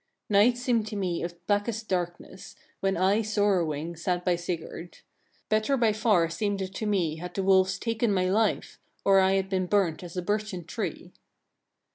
12. Night seemed to me of blackest darkness, when I sorrowing sat by Sigurd. Better by far it seemed to me had the wolves taken my life, or I had been burnt as a birchen tree.